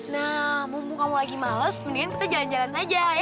nah bumbu kamu lagi males mendingan kita jalan jalan aja ya